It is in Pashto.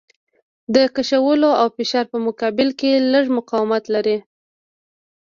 د کشولو او فشار په مقابل کې لږ مقاومت لري.